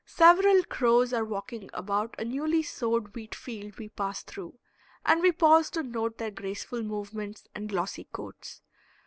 Several crows are walking about a newly sowed wheat field we pass through, and we pause to note their graceful movements and glossy coats.